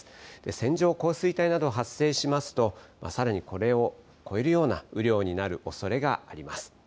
線状降水帯など発生しますとさらにこれを超えるような雨量になるおそれがあります。